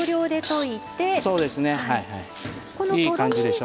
いい感じでしょ。